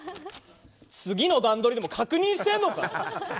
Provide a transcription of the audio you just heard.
次の段取りでも確認してるのか？